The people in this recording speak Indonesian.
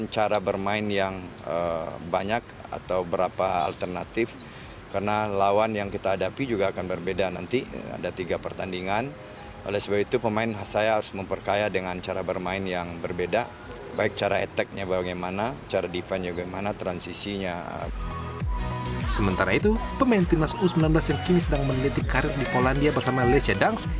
sementara itu pemain timnas u sembilan belas yang kini sedang meneliti karir di polandia bersama lesia dunks